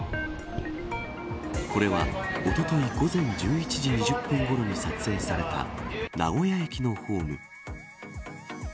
これは、おととい午前１１時２０分ごろに撮影された名古屋駅のホーム。